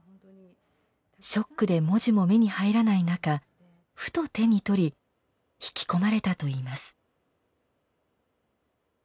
ショックで文字も目に入らない中ふと手に取り引き込まれたといいます。